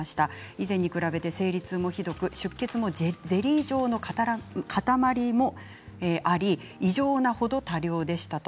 以前に比べて生理痛もひどく出血もゼリー状の固まりもあり異常なほど多量でした。